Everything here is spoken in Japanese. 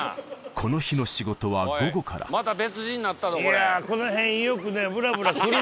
この日の仕事は午後からまた別人になったぞこれ。